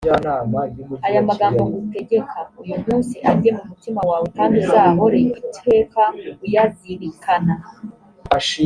aya magambo ngutegeka uyu munsi ajye mumutima wawe kandi uzahore itwka uyazirikana